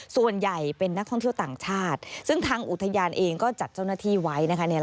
ส่วนใหญ่เป็นนักท่องเที่ยวต่างชาติซึ่งทางอุทยานเองก็จัดเจ้าหน้าที่ไว้นะคะ